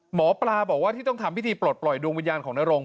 หมอปลาบอกว่าที่ต้องทำพิธีปลดปล่อยดวงวิญญาณของนรง